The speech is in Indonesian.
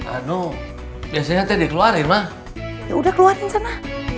anu biasanya dikeluarin mah ya udah keluarin sana